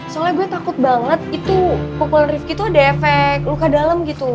soalnya gue takut banget itu pukulan rifki tuh ada efek luka dalam gitu